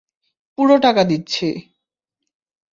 পুরো টাকা দিচ্ছি।